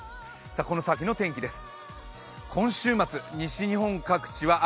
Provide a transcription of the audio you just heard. この先の天気です。